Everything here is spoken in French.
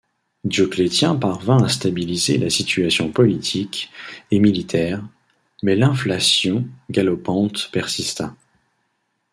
Dioclétien parvint à stabiliser la situation politique et militaire, mais l'inflation galopante persista.